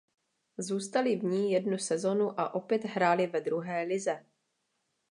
Zůstali v ní jednu sezonu a opět hráli ve druhé lize.